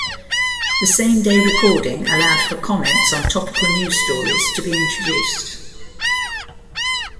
The same-day recording allowed for comments on topical news stories to be introduced.